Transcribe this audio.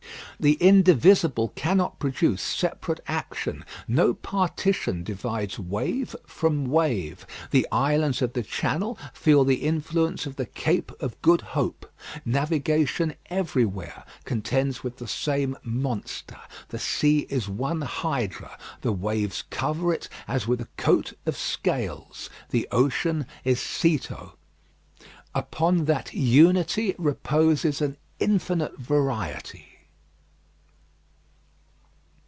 The indivisible cannot produce separate action. No partition divides wave from wave. The islands of the Channel feel the influence of the Cape of Good Hope. Navigation everywhere contends with the same monster; the sea is one hydra. The waves cover it as with a coat of scales. The ocean is Ceto. Upon that unity reposes an infinite variety.